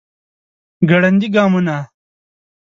ګړندي ګامونه